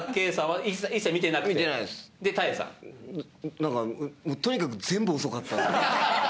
何かとにかく全部遅かったんで。